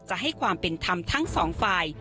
จะให้ความเป็นธรรมทั้งสองฝ่าย